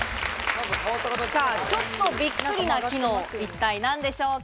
ちょっとびっくりな機能、一体何でしょうか？